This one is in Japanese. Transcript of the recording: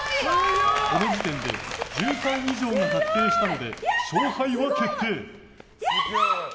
この時点で１３以上が確定したので勝敗は決定。